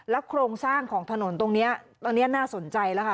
แล้วโครงสร้างของถนนตรงเนี้ยตรงเนี้ยน่าสนใจแล้วค่ะ